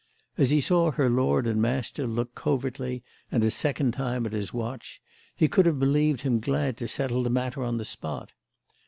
As he saw her lord and master look covertly and a second time at his watch he could have believed him glad to settle the matter on the spot.